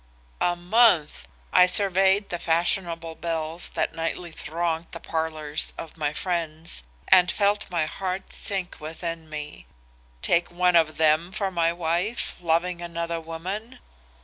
'" "A month! I surveyed the fashionable belles that nightly thronged the parlors of my friends and felt my heart sink within me. Take one of them for my wife, loving another woman?